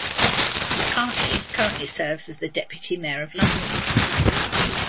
McCartney currently serves as the Deputy Mayor of London.